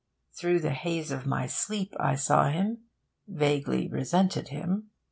Through the haze of my sleep I saw him, vaguely resented him.